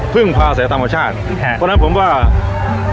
พึ่งพาใส่ธรรมชาติครับเพราะฉะนั้นผมว่าอืม